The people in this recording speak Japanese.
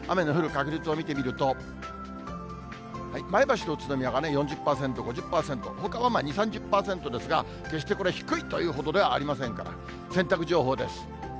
雨の降る確率を見てみると、前橋と宇都宮が４０％、５０％、ほかは２、３０％ですが、決してこれ、低いというほどではありませんから。洗濯情報です。